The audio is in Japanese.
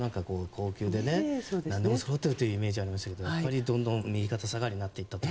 高級で何でもそろっているというイメージですがどんどん右肩下がりになってきたと。